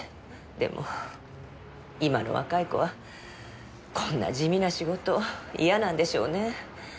でも今の若い子はこんな地味な仕事嫌なんでしょうねえ。